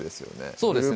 そうですね